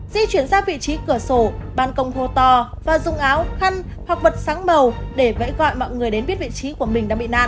di chuyển ra vị trí cửa sổ bàn công hô to và dùng áo khăn hoặc vật sáng màu để vẫy gọi mọi người đến biết vị trí của mình đang bị nạn